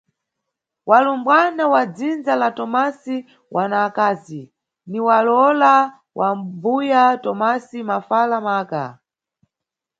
Walumbwana wa dzindza la Tomasi wana akazi, ni walowola wa mbuya Tomasi mafala maka.